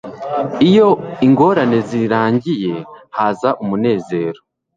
Iyo ingorane zirangiye haza umunezero.